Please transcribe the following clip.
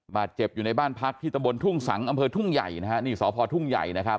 บาดเจ็บอยู่ในบ้านพักที่ตะบนทุ่งสังอำเภอทุ่งใหญ่นะฮะนี่สพทุ่งใหญ่นะครับ